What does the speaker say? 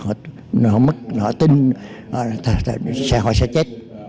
họ mất họ tin họ sẽ chết